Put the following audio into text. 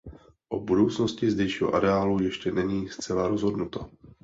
O budoucnosti zdejšího areálu ještě není zcela rozhodnuto.